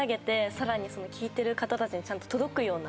さらに聴いてる方たちにちゃんと届くような。